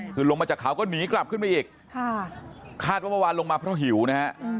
คือลงมาจากเขาก็หนีกลับขึ้นไปอีกคาดว่าเมื่อวานลงมาเพราะหิวนะฮะ